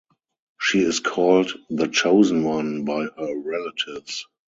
She is called "The Chosen One" by her relatives.